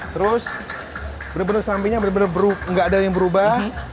terus bener bener sampingnya bener bener nggak ada yang berubah